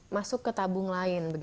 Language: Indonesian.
masuk ke tabung lain